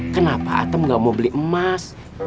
kenapa atem gak mau beli emas